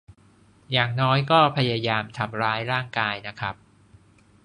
อย่างน้อยก็พยายามทำร้ายร่างกายนะครับ